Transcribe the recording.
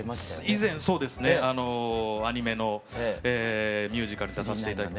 以前そうですねあのアニメのミュージカル出させて頂き